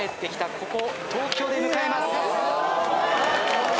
ここ東京で迎えます